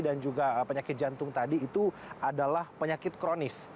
dan juga penyakit jantung tadi itu adalah penyakit kronis